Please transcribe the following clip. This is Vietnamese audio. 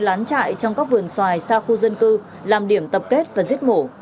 giết mổ ở các trang trại trong các vườn xoài xa khu dân cư làm điểm tập kết và giết mổ